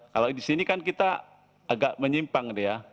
kalau di sini kan kita agak menyimpang ya